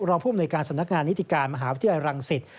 รองภูมิในการสำนักงานนิติการมหาวิทยาลัยรังศิษฐ์